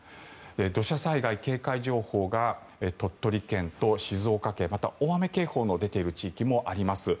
土砂災害警戒情報が鳥取県と静岡県また大雨警報の出ている地域もあります。